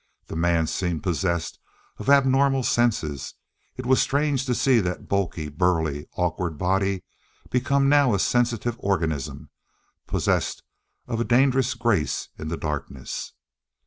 The man seemed possessed of abnormal senses. It was strange to see that bulky, burly, awkward body become now a sensitive organism, possessed of a dangerous grace in the darkness.